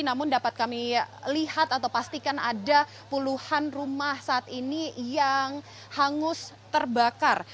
namun dapat kami lihat atau pastikan ada puluhan rumah saat ini yang hangus terbakar